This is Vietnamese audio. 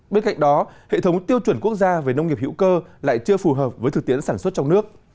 bên cạnh đó hệ thống tiêu chuẩn quốc gia về nông nghiệp hữu cơ lại chưa phù hợp với thực tiễn sản xuất trong nước